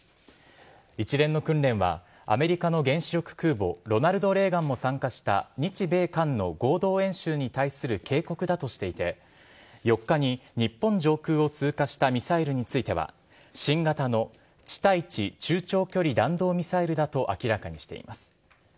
一連の訓練は、アメリカの原子力空母、ロナルド・レーガンも参加した日米韓の合同演習に対する警告だとしていて、４日に日本上空を通過したミサイルについては、新型の地対地中長距離弾道ミサイルだと明らかにしています。